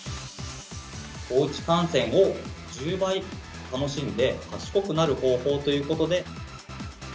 おうち観戦を１０倍楽しんで賢くなる方法ということで。